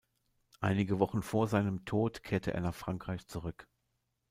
Einige Wochen vor seinem Tod kehrte er nach Frankreich zurück.